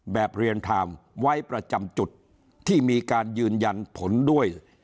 แบบเรียนไทม์ไว้ประจำจุดที่มีการยืนยันผลด้วย